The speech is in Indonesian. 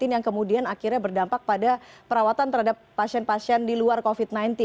yang kemudian akhirnya berdampak pada perawatan terhadap pasien pasien di luar covid sembilan belas